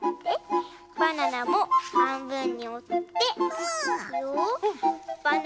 バナナもはんぶんにおっていくよ